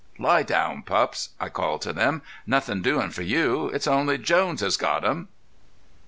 "Lie down, pups," I called to them. "Nothing doing for you. It's only Jones has got 'em."